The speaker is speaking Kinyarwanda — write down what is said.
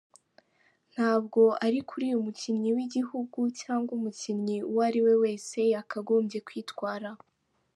Ntabwo ari kuriya umukinnyi w’igihugu cyangwa umukinnyi uwo ariwe wese yakagombye kwitwara.